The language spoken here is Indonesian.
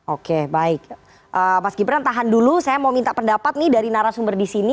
oke baik mas gibran tahan dulu saya mau minta pendapat nih dari narasumber di sini